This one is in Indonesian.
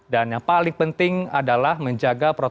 dan yang paling penting adalah menjaga protokol kesehatan